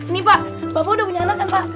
nih pak bapak udah punya anak kan pak